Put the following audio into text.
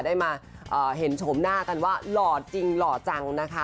ได้มาเห็นโฉมหน้ากันว่าหล่อจริงหล่อจังนะคะ